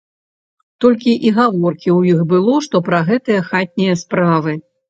Толькі і гаворкі ў іх было што пра гэтыя хатнія справы.